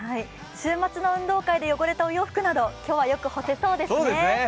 週末の運動会で汚れたお洋服など今日は、よく干せそうですね。